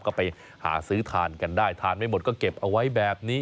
ก็ไปหาซื้อทานกันได้ทานไม่หมดก็เก็บเอาไว้แบบนี้